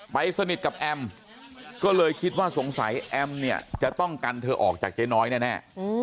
สนิทกับแอมก็เลยคิดว่าสงสัยแอมเนี่ยจะต้องกันเธอออกจากเจ๊น้อยแน่